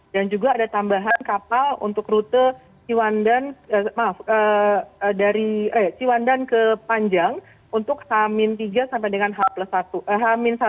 dan juga ada tambahan kapal untuk rute ciwandan ke panjang untuk h tiga sampai dengan h satu